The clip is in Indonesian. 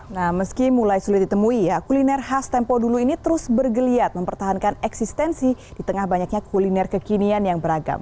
nah meski mulai sulit ditemui ya kuliner khas tempo dulu ini terus bergeliat mempertahankan eksistensi di tengah banyaknya kuliner kekinian yang beragam